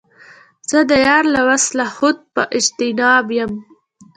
زه د یار له وصله خود په اجتناب یم